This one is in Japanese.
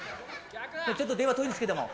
ちょっと電話遠いんですけども。